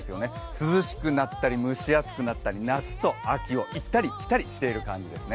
涼しくなったり蒸し暑くなったり夏と秋を行ったり来たりしている感じです。